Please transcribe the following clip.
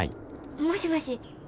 もしもし。